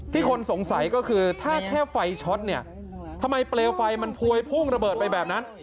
คนสงสัยก็คือถ้าแค่ไฟช็อตเนี่ยทำไมเปลวไฟมันพวยพุ่งระเบิดไปแบบนั้น